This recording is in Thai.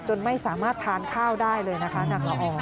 ไม่สามารถทานข้าวได้เลยนะคะนางละออง